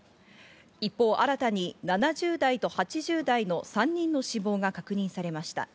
一方、新たに７０代と８０代の３人の死亡が確認されました。